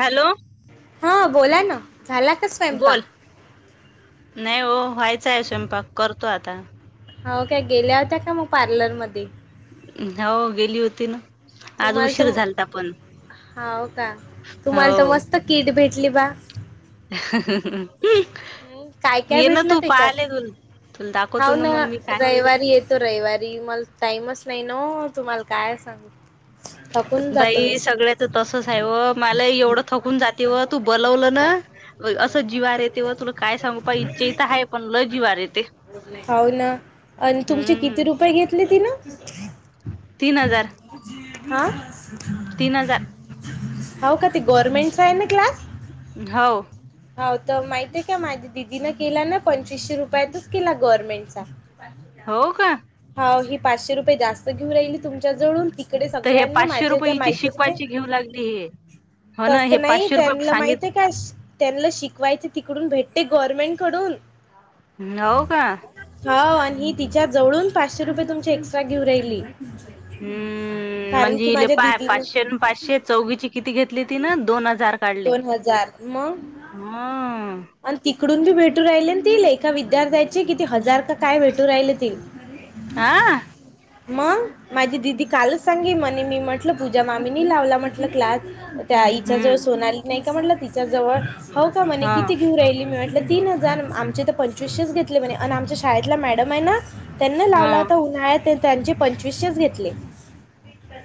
Hello! हा बोला ना. झाला का स्वयंपाक? बोल नाही हो व्हायच आहे स्वयंपाक करतो आता. हाव काय गेल्या होत्या का मग पार्लरमध्ये? हो गेली होती ना. आज तुम्हाला तर उशीर झालता पण हो का तुम्हाला तर हो मस्त किट भेटली बा. [inaudible] हम् काय काय ये ना भेटलं तू त्याच्यात पाहाले तुल तुला दाखवतो हव ना मग मी काय रविवारी येत. तो रविवारी मला टाईमच नाही ना तुम्हाला काय सांग बाई सगळ्याच तसच आहे वो मला एवढं थकून जाते व तू बोलवलं ना. असं जिवार येते व तुला काय सांगू पा इच्छ इित आहे पण ल जिवार येते. हो ना आणि तुमचे किती हम्म रुपये घेतले ति न? तीन हजार हा! तीन हजार. हो का ते गवर्नमेंटचा आहे ना क्लास. हव. हो तर माहित आहे का माझ्या दिदीन केला ना पंचवीसशे रुपयातच केला गव्हर्नमेंटचा. [inaudible] हो का? हाव ही पाचशे रुपये जास्त घेऊ राहिली तुमच्या जळून ती. इकडे तर हे सगळ्यांना पाचशे माझ्या रुपये ज्या हिची मैत्रिणी शिकवायची घेऊ लागली हे हो ना तस हे नाही पाचशे रुपये त्यांना सांगित माहित आहे. श त्यांना शिकवायच तिकडून भेटते गव्हर्नमेंट कडून. ह् नोव का? हो आणि ही तिच्या जवळून पाचशे रुपये तुमची एक्स्ट्रा घेऊ राहिली. हम्म! हम! कारण म्हणजे की इले माझ्या पाय- दिदीनं पाचशे पाचशे चौघची किती घेतली ती न दोन हजार काढली. कार मग म्ह आणि तिकडून बी भेटू राहिले न ते एका विद्यार्थ्याचे कि ते हजार का काय भेटू राहिले ते. हा मग. माझी दिदी कालच सांगे म्हणे मी म्हटलं पूजा मामीनी लावला म्हटलं क्लास. त्याईच्या जवळ हम्म सोनाली नाही का म्हटलं तिच्याजवळ हो का म्हणे हा कि क्यू राहिली मी म्हटलं तीन हजार आमचे तर पंचवीसशेच घेतले म्हणे आणि आमच्या शाळेतला मॅडम आहे ना! त्यांना हा लावला तर उन्हाळ्यात त्यांचे पंचवीशेच घेतले.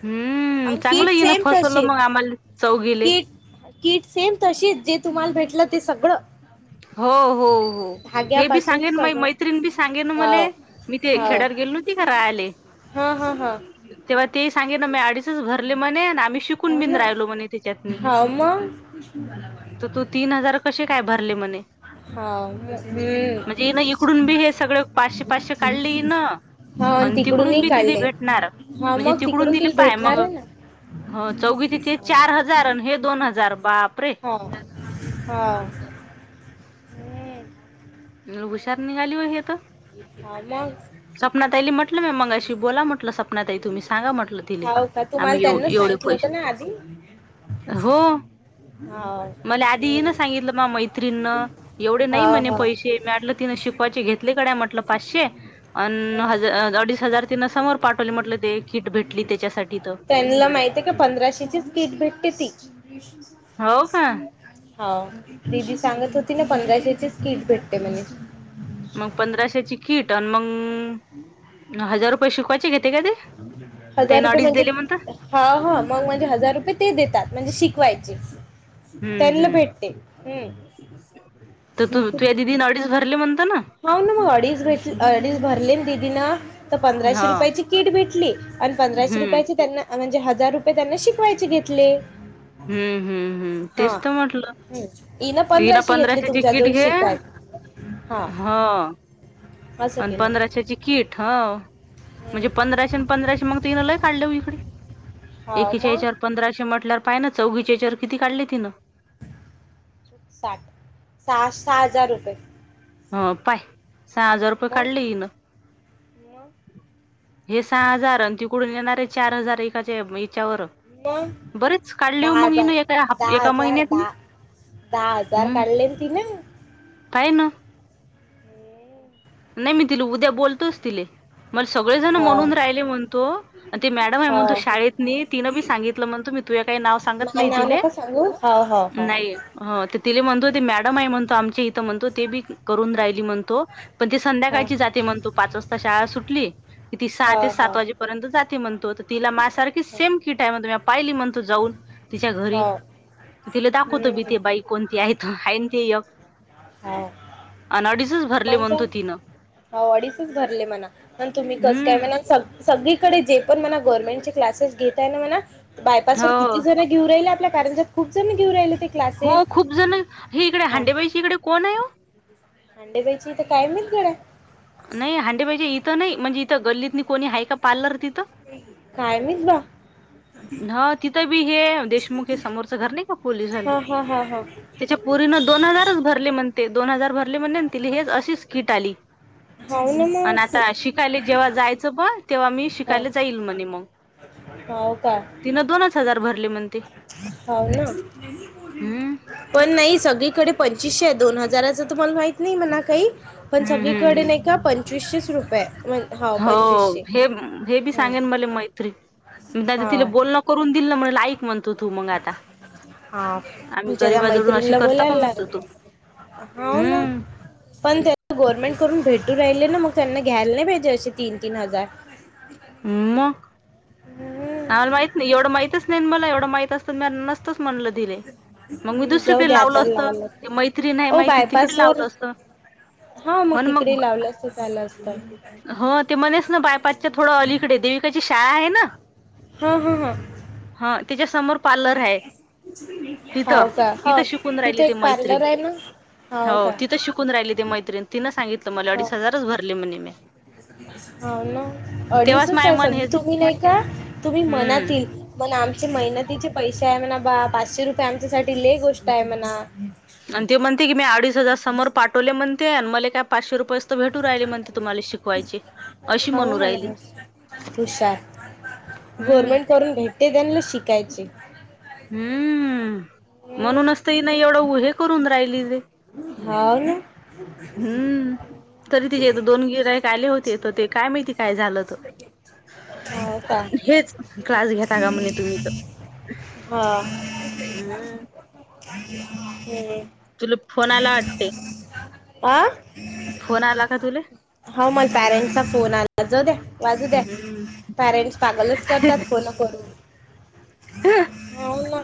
हम्म आणि चांगलं कीट येईन सेम फसवलं तशीच मग आम्हाला चौघीले कीट. किट सेम तशीच जे तुम्हाला भेटलं ते सगळं. हो हो हो! हे बी धाग्यापासून सांगेन मा सगळं मैत्रीण बी सांगेन हो मले मी ते खेड्यावर गेलो ना ती राहाले. हा हां हां! तेव्हा तेही सांगे ना मी अडीच तुभरले म्हणे आम्ही हो शिकून ब ना राहिलो म्हणे त्याच्यातनी. हो मग तर तू तीन हजार कसे काय भरले म्हणे! हो हम्म म्हणजे ना इकडून बी हे सगळे पाचशे पाचशे काढले इन. हा आणि तिकडून तिकडूनही बी तिला काढले भेटणार हा म्हणजे मग तिकडून तिले तिला पाय भेटणार मग. आहे ना. हो चौघ चे ते चार हजार आणि हे दोन हजार बाप रे! हव ना हो! न हुशार निघाली हो हे तर. हा मग सपनातईली म्हटलं मी मंगाशी बोला म्हटलं सपना तई तुम्ही सांगा म्हटलं तिले. तर तुम्हाला आम्ही एव त्यांना एवढे सांगितलं होतं पैसे ना आधी. हो! हाव मला आधीही ना हम्म सांगितलं म मैत्रीणन एवढे नाही म्हणे हाव हाव पैसे. ते मॅडला तीन शिक. वायचे घेत म्हट पाचशे अन् अडीच हजार त समो पाठवले म्हटलं ते किट भेटली त्याच्यासाठी त. त्यांना माहिती आहे का पंधराशेचीच की ट भेटते ती. [inaudible] हो का हा दिदी सांगत होती ना पंधराशेचीच किट भेटते म्हणे. मग पंधराशेची किट आणि मग हजार रुपये शिकवायचे घेते का ते‌. हजार रुपये म्हणजे? हा हा मग म्हणजे हजार रुपये ते देतात म्हणजे शिकवायचे. हं, त्यांना हं. भेटते हम! वि नाडी भर! त्याला म्हणत ना! हो ना मग अडीच भेट अडीच भरले दिदी ना तर पंधराशे हां. रुपयाची किट भेटली. आणि पंधराशे हं. रुपयाचे त्यांना म्हणजे हजार रुपये त्यांना शिकवायचे घेतले. हम्म हम्म हम् तेच तर म्हटलं. हम् इ ना हीन पंधराशेची किट घे हा हो. असं आणि केलं पंधराशे ची किट ह. म्हणजे हम्म. पंधराशे अन पंधराशे मग तिन लय काढल्या इकडे हो एकीच्या मग यचावर. पंधराशे म्हटल्यावर पाय ना चौघच्याच्यावर किती काढली तिन. साठ सहा सहा हजार रुपये. ह पाय सहा हजार रुपये मग काढले इन. मग. हे सहा हजार आणि तिकडून येणार आहे चार हजार एकाच्या याच्यावर. मग बरेच काढले हो दहा मग हजार एका हाप दहा एका हजार महिन्यात दहा दहा हजार काढले तिने. काय ना. हम्म. नाही मी तिला उद्या बोलतोच तिले मला सगळेजण हो म्हणून राहिले म्हणतो. ते मॅडम आहे म्हण तू हो शाळेत नाही तिनं बी सांगितलं म्हणतो मी तुझ्या काही नाव सांगत नाही तिले. हा हा. नाही तिला म्हणतो ते मॅडम आहे म्हणतो आमच्या इथं म्हणतो ते बी करून राहिली म्हणतो. पण ती हा संध्याकाळची जाते म्हणतू पाच वाजता शाळा सुटली. कि ती सहा ते हा हा सात वाजेपर्यंत जाते म्हणतो तर तिला मा सारखी हो सेम किटा आहे म्हणत म पाहिली म्हणतो जाऊन. तिच्या घरी हो. तिले दाखवत हम्म मी ते बाई. कोणती आहे आहे ते यक हो अन अडीचच भरले मला म्हणतो. सांग तिनं हो अडीचच भरले मणा पण तुम्ही कस काय हम्म म्हणा. सगळीकडे जे पण मना गव्हर्नमेंटचे क्लासेस घेताय मना बायपास व हो किती जण. घेऊ राहिले आपल्या कारणजात खूपण घेऊ राहिले ते. हो क्लासेस खूप जण हे इकडे हांडेबाईशी इकडे कोण आहे? हांडेबाईशी इथ काय मिल गड्या. [unintelligible] नाही हांडे पाहिजे इथं नाही म्हणजे इथं गल्लीत कोणी आहे का पार्लर तिथं? काय माहीत बा. ह तिथं बी हे देशमुख हे समोरचं घर नाही का पोलीस झाला हा हा हा हा त्याच्या पुरीन दोन हजारच भरले म्हणते दोन हजार भरले म्हणते ति हेच अशीच किट आली. [unintelligible] पण आता शिकायला जेव्हा जायचं ब तेव्हा मी हो शिकायला जाईल म्हणे मग. हो का तिनं दोनच हजार भरले म्हणते. हाऊ ना. हम्म पण नाही सगळीकडे पंचवीसशे दोन हजाराच तुम्हाला माहित नाही मणा काही. पण हम्म हम्म सगळीकडे हम्म नाही का पंचवीसशेस रुपये मण. हो हे हे बी सांगेन मला मैत्री. आ तिला हाव बोलणं करून दिल ना म्हण ईक म्हणतो तू मग आता. हा आम्ही तुमच्या त्या गरीबाजवळून अशी मैत्रिणीला करतो का बोलायला ला म्हणतो तू. हाउ ना. हम्म पण त्या गव्हर्नमेंट करून भेटू राहिले ना मग त्यांना घ्यायला नाही पाहिजे असे तीन तीन हजार. मग. हम्. आला माहित नाही एवढं माहितच नाही मला एवढं माहित असतं म न. तूच म्हणलं दिर मग मी जाऊ दुसरीकडे द्या लावलं आता असत ते मैत्री नाही ओ मैत्री तिकडे बायपासवर लावलं असत. हां हो मग तिकडे लावलं असतं झालं असतं हो ते मणेच ना बायपा [unintelligible] चा थोडं अलीकडे देविकाची शाळा आहे ना हा हा हा. हा त्याच्या समोर पार्लर हाय तिथं हाव का तिथं हाव शिकून राहिली तिथे ते एक मैत्री. पार्लर आहे ना हाव हो का तिथं शिकून राहिली ते मैत्रीण तिनं सांगितलं मला अडीच हजारच भरले म्हणे मी. हाव ना तेव्हाच अडीचच माय आहे मन सगं हेच तुम्ही नाही का तुम्ही हम्म मनातील मणा आमचे मेहनतीचे पैशे आहे म्हणा बा पाचशे रुपये आमच्यासाठी ले गोष्ट आहे म्हणा. आणि ते म्हणते की मी अडीच हजार समोर पाठवले म्हणते मला काय पाचशे रुपये त भेटू राहिले म्हणते तुम्हाले शिकवायचे अशी हो म्हणू राहिली. म्हणा हुशार हम्म गव्हर्मेंट करून भेटते त्यांला शिकायचे. हम्म हम्म म्हणूनचत नाही एवढं उ हे करून राहिली ते. हाव ना. हम्म तरी तिजे तर दोन गिराईक आले होते तर ते काय माहिती काय झालतं. हो का हेच क्लास घेता का म्हणे तुम्ही तर. हा हम्म. तुले फोन आला वाटते. आं फोन आला का तु हाव मला पॅरेंट्सचा फोन आला जाऊ द्या वाजू द्या. हम्म पॅरेंट्स पागलच करतात फोनं परवं हाव ना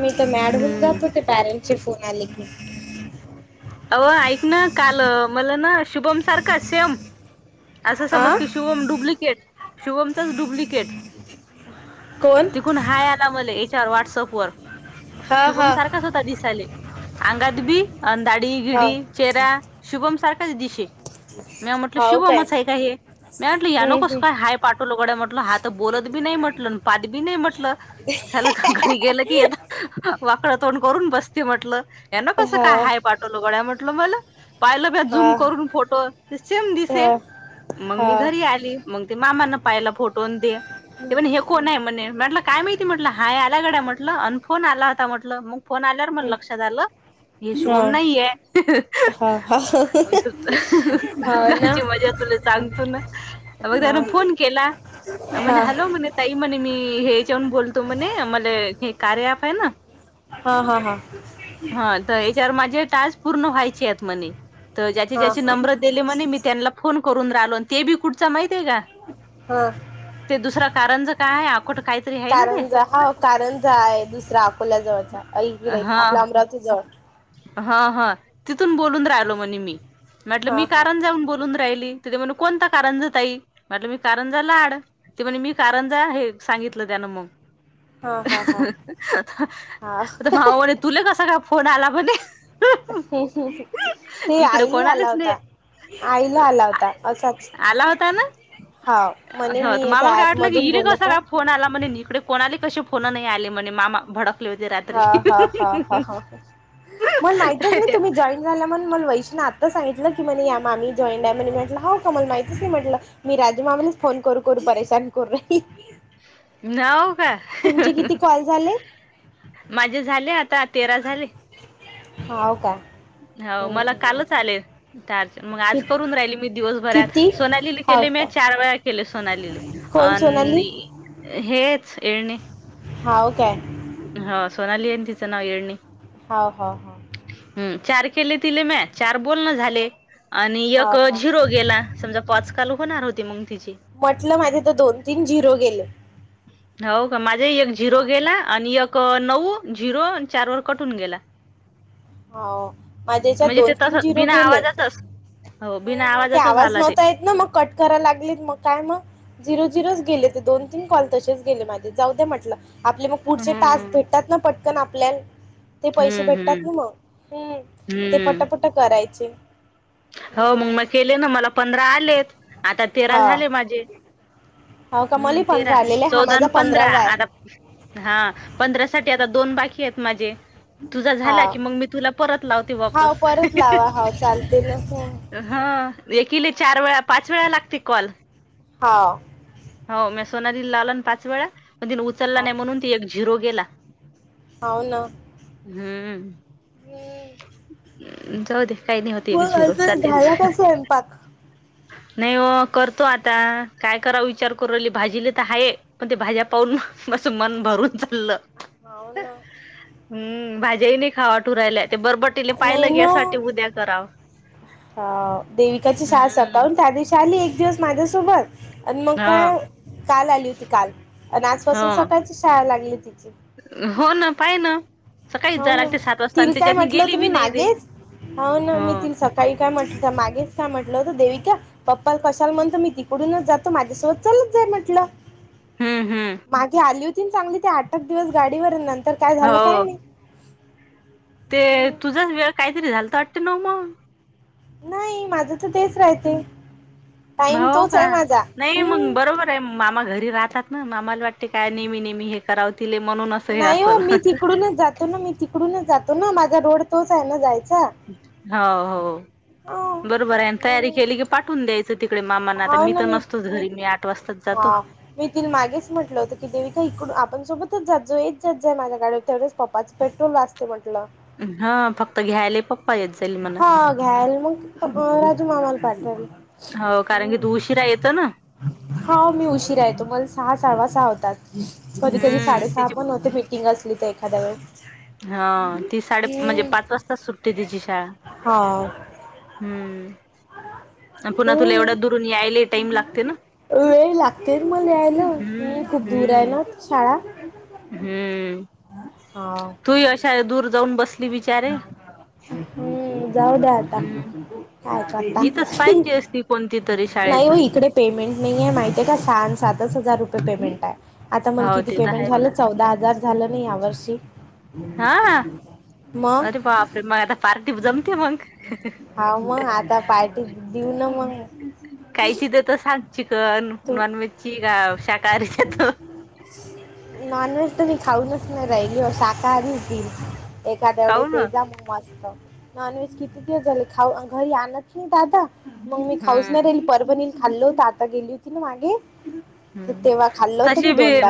मी तर मॅड होऊन हम्म जाते ते पॅरेंटसची फोन आले की. अव ऐकना काल मला ना शुभम सारखा सेम असं समज आ की शुभम डुप्लिकेट शुभमचाच डुप्लिकेट कोण कून हाय आला मले याच्यावर व्हॉट्सअप वर हा हा शुभम सारखाच होता दिसायले. अंगात बी आन दाढी हा बिडी चेहरा शुभम सारखाच दिशे. मी म्हटलं हाव काय शुभमच आहे का हे? मी म्हटलं या नो हम्म कसं काय हम्म हाय पाठवलं गड्या म्हटलं हा तर बोलत बी नाही म्हटलं पात बी नाही म्हटलं. चालं घ घरी गेलं की ये तर वाकडं तोंड करून बसते म्हटलं यांना कसं हा काय हाय पाठवलं गड्या म्हंटलं मला. पाहिलं पेया हा झूम करून फोटो ते सेम दिसे हा मग हा मी घरी आली. मंग ते मामाने पाहिला फोटोन दे ते पण हे कोण म्हणे म्हटलं काय माहिती म्हटलं हाय आल्या गड्या म्हटलं अन फोन आला होता म्हटलं मग फोन आल्यावर म हम्म लक्षात आलं हे हा शुभम नाहीये हा हा अ त हाव ना कालची मजा तुले सांगतोना मग त्याने फोन केला म्हणे हा हॅलो हा म्हणे ताई म्हणे मी हेच्याऊन बोलतो म्हणे मला हे कार्य ऐप आहे ना हा हा हा. हा तर याच्यावर माझे टास्क पूर्ण व्हायचे आहेत म्हणे तर ज्याचे हा ज्याचे नंब्र दिले म्हणे मी त्यांला फोन करून राहिलो अन ते बी कुठचा माहित आहे का? हा. ते दुसरा कारंज काय अकोट काहीतरी आहे ना ते कारणज हा कारणज आहे दुसरा अकोल्या जवळचा. अलीकडे हा आपल्या अमरावती जा हा हा तिथून बोलून राहिलो म्हणे मी म्हटलं हा मी हा कारण जाऊन बोलून राहिली ते तर म्हणू कोणता कारणजा ताई म्हटलं मी कारणजाला आड. ते म्हणज मी कारण जा हे सांगितलं त्यानं मग. हा हा हा हा आता मामा म्हणे तुला कसा काय फोन आला म्हणे. ते इकडे आईली आला कोणालाच नाही होता. आईला आला होता असाच. आला होता ना हा म्हणे हो तर मी मामाला त्या काय ऍप वाटलं की मधून इले बोलत कसा आहे. काय फोन आला म्हणजे इकडे कोणाली कशी फोन नाही आली म्हणज मामा भडक. भडकले होते रात्री. मण माहितच काय नाही तुम्ही जॉईन. झालं मण मला वैशीने आत्ता सांगितलं की म्हणे या मामी जॉईंट आहे म्हणे म्हटलं हो का मला माहीतच नाही म्हटलं. मी राजमामालाच फोन करू करू परेशान करू र''--'' नाव का. किती कॉल झाले माझे झाले आता तेरा झाले. हो काय. हो मला काल चालेत. ता कि आज करून राहिली मी दिवसभरात किती सोनालीला हाव केले मी का चार वेळा. केले सोन आलेले कोण सोनाली आणि हेच येळणे. हाव काय. हा सोनाली आहे तिचं नाव येळणी. हो हो हो, हम् चार केले तिले मॅ. चार बोलण झाले आणि एक हाव हाव झिरो गेला समजा पाचकाल होणार होती मग तिची. म्हटलं माझे तर दोन तीन झिरो गेले. हो का माझा एक झिरो हाव गेला आणि एक नऊ झिरो चार वर कटून गेला. हो माझ्याच्यात म्हणजे दोन ते तस तीन झिरो बिना गेलेय. आवाजाचाच हो बिना हम् हम ते आवाजाचा आवाज झाला ते नव्हता येत ना मग कट करायला लागलीत मग काय मग. झिरो झिरोच गेले ते दोन तीन कॉल तसेच गेले माझे जाऊ द म्हटलं आपले मग. पुढचे टास्क हम्म भेटतात ना पटकन आपल्याला ते पैसे हम्म हम्म भेटतात ना मग. हम्म ते हम्म पटापट करायचे. हो हम्म मग केले ना मला पंधरा आलेत आता तेरा हा झाले माझे. हो का मला हम्म तीर पंधरा आलेले हा चौदा माझा पंधरा पंधरावा आहे आता. हा पंधरा साठी आता दोन बाकी आहेत माझे तुझा झाला हा की मग मी तुला. परत लावत. हा परत लावा हा चालते ना फोन. हा एक चार वेळा पाच वेळा लागते कॉल. हाव. हो मी सोनाली लाला ना पाच वेळा पण तिने उचलला हा नाही म्हणून ती एक झिरो गेला. हो ना. हम्म हम्म. जाऊ दे काही नाही होती एक मग झिरो. अजून जातेच झाला का स्वयंपाक. नाही हो करतो आता काय करा विचार करली भाजीला तर आहेाय. मग ते भाज्या पाहून मं मन भरून चाललं. होव ना. हम् भाज्याही नाही खावा ठुरायला ते बरबटीले नाही पाहिलं के ना यासाठी उद्या कराव. अ देविकाची शाळा हम्म सकाळून त्या दिवशी आली एक दिवस माझ्यासोबत. आणि मग हा काय काल आली होती काल आणि आजपासून ह सकाळची शाळा लागली तिची. हो ना पाहे ना. सकाळीच हो जाय ना. लागते सात वाजता आणि तील काय त्याच्यातनी म्हटलं गेली बी तुम्ही, नाही ते मागेच हो ना. मी तील सा काही काय म्हटलं मागेच काय म्हटलं होतं देविका. पप्पाला कशाला म्हणत मी तिकडूनच जातो. माझ्यासोबत चालत जाई म्हटलं, हम्म हम्म मागे आली होती. चांगली ते आठ आठ दिवस गाडीवर नंतर काय झालं काय हो माहित. ते तुझाच वेळ काहीतरी झालत वाटत ना माऊ. नाही. माझं तर तेच राहते टाईम हो तोच का आहे माझा. नाही मग हम्म! बरोबर मामा घरी राहतात ना. मामाला वाटते काय नेहमी नेहमी हे कराव तिले म्हणून अस हे असल. ले ना मी तिकडूनच जातो ना. माझा रोड तोच आहे ना जायचा. हा हो हा हो बरोबर आहे. आण तयारी म्हणून केली की पाठवून द्यायच. तिकडे मामाांना आता मी तर नसतोच घरी. मी तर आठ वाजताच जातो. हा मी तर मागेच म्हटलं होतं की. देविका इकडून आपण सोबतच जात जाऊ. येत जा माझ्या गाडीवर तेवढच पप्पाचे पेट्रोल वाचते म्हटलं, हा फक्त घ्यायला पप हा घ्याल मग राजू मामाला पाठवले. हो कारण की तु उशिरा येतं ना. हो. मी उशीरा येते मला सहा साडा सहा होतात. कधी कधी हम्म साडेसहा तिची पण होते मी किंग असली तर एखाद्या वेळेस हा ती साडे म्हणजे हम्म पाच वाजताच सुटते तिची शाळा. हा. हम्म. हो. पुन्हा तुला एवढ्या दुरून यायला टाइम लागते ना वेळ लागते मला यायला. हम्म खूप दूर आहे हम्म. ना शाळा. हम्म. हा. तू ह्या शाळेत दूर जाऊन बसली बिचारे. हम्म, जाऊ द्या आज ता हम्म. काय करता. इथंच पाहिजे असती कोणती तरी नाही हो शाळेतली इकडे पेमेंट नाही ये माहितीय का. सहा आणि सातच हजार रुपये पेमेंट हाय. आता मग हो किती ते तर पेमेंट आहे झालं. म्हणा चौदा हजार झालं ना या वर्षी. हा. अरे बापरे, मग आता पार्टीत जमते मगं. हाव, मग आता पार्टी दिऊ ना मगं. कायची देतो सांग. चिकन तू नॉनव्हेज ची का शाकाहारी देतो. नॉनव्हेज तर मी खाऊनच नाही राहिली. शाकाहारीच दिन. एखाद्या एवढे खाऊ ना. तेजा मग मस्त नॉनव्हेज किती दिवस झाले खाऊ घरी आणत नाही दादा. मग मी खाऊस नाही हम्म. राहीली. परभणीत खाल्लं होत आता गेली होती ना मागे. हम्म तेव्हा खाल्ल होत मी तशी बी दोनदा.